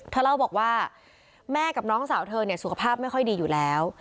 เธอเล่าบอกว่าแม่กับน้องสาวเธอสุขภาพไม่ค่อยดีอยู่แล้ว